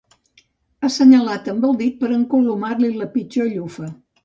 Assenyalat amb el dit per encolomar-li la pitjor llufa.